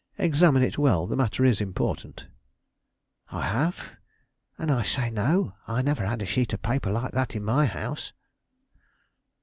Examine it well; the matter is important." "I have, and I say, no, I never had a sheet of paper like that in my house."